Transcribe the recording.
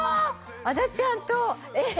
あだちゃんとえ！